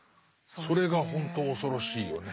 それがほんと恐ろしいよね。